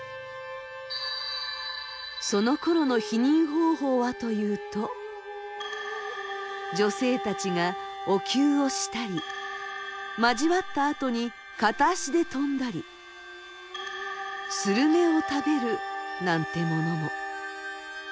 そのころの避妊方法はというと女性たちがお灸をしたり交わったあとに片足で跳んだりするめを食べるなんてものも。